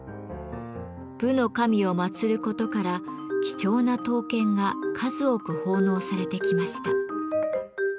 武の神を祭ることから貴重な刀剣が数多く奉納されてきました。